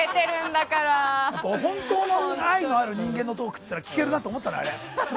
本当の愛のある人間のトークが聞けるなと思ったのよ、あれ。